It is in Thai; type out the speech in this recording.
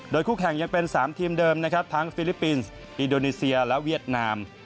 คู่แข่งยังเป็น๓ทีมเดิมนะครับทั้งฟิลิปปินส์อินโดนีเซียและเวียดนาม